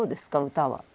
歌は。